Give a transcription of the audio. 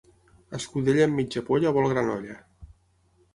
Escudella amb mitja polla vol gran olla.